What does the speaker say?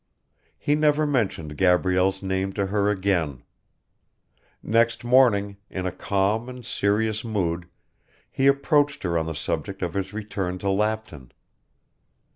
He never mentioned Gabrielle's name to her again. Next morning, in a calm and serious mood, he approached her on the subject of his return to Lapton.